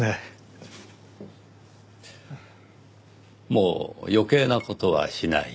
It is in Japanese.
もう余計な事はしない。